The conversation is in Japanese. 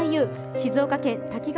静岡県滝川